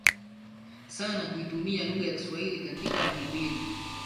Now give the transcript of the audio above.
sana kuitumia lugha ya Kiswahili katika mahubiri